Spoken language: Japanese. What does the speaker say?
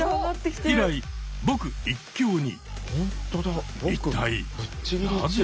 以来「ぼく」一強に。